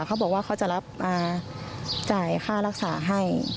เขาบอกว่าเขาจะรับจ่ายค่ารักษาให้